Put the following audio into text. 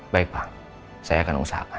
baik pak saya akan usahakan